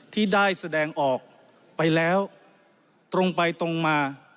ที่ได้แสดงออกไปแล้วตรงไปตรงมา